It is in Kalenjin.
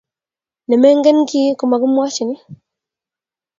ne megen kii ko makimwachin